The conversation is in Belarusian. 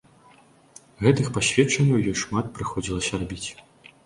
Гэтых пасведчанняў ёй шмат прыходзілася рабіць.